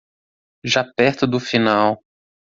Já perto do final